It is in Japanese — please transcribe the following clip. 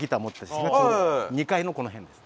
写真が２階のこの辺です。